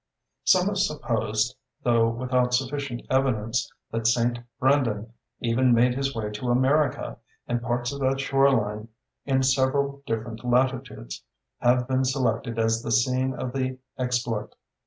Some have supposed, though without sufficient evidence, that Saint Brendan even made his way to America, and parts of that shore line in several different latitudes have been selected as the scene of the exploit.